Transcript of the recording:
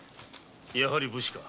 やはり武士か？